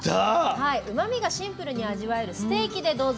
うまみがシンプルに味わえるステーキでどうぞ。